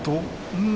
うん。